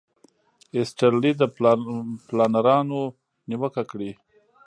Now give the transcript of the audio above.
ایسټرلي د پلانرانو نیوکه کړې.